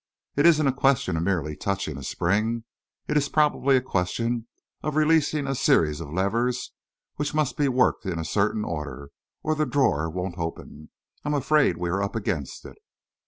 It isn't a question of merely touching a spring; it is probably a question of releasing a series of levers, which must be worked in a certain order, or the drawer won't open. I'm afraid we are up against it."